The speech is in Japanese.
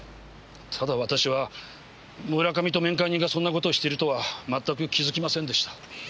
ただ私は村上と面会人がそんなことをしてるとはまったく気づきませんでした。